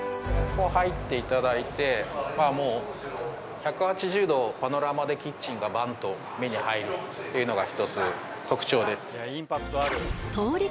まあもう１８０度パノラマでキッチンがバンと目に入るというのが１つ特徴です